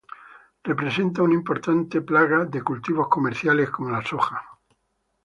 Representa una importante plaga de cultivos comerciales como la soja.